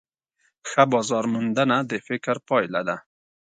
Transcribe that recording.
ښه بازارموندنه د فکر پایله ده.